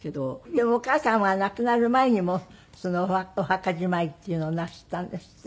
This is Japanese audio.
でもお母様が亡くなる前にもうお墓じまいっていうのをなすったんですって？